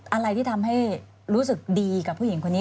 อะไรที่ทำให้รู้สึกดีกับผู้หญิงคนนี้